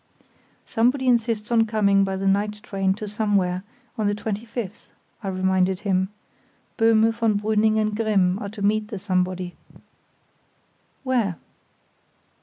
"Somebody insists on coming by the night train to somewhere, on the 25th," I reminded him. "Böhme, von Brüning, and Grimm are to meet the Somebody." "Where?"